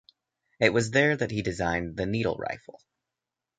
It was there that he designed the needle rifle.